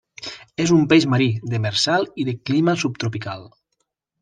És un peix marí, demersal i de clima subtropical.